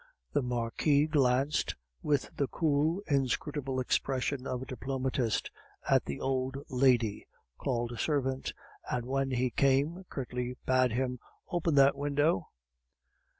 The Marquis glanced, with the cool inscrutable expression of a diplomatist, at the old lady, called a servant, and, when he came, curtly bade him: "Open that window."